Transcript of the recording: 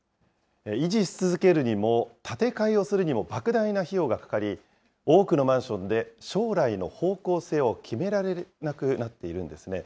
維持し続けるにも建て替えをするにもばく大な費用がかかり、多くのマンションで将来の方向性を決められなくなっているんですね。